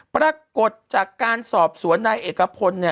ปรากฏจากการสอบสวนนายเอกพล